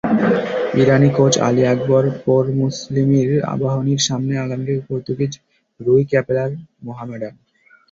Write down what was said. ইরানি coach Ali Akbar পোরমুসলিমির আবাহনীর সামনে আগামীকাল পর্তুগিজ রুই ক্যাপেলার মোহামেডান।